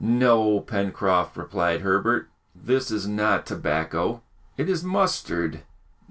"No, Pencroft," replied Herbert; "this is not tobacco, it is mustard."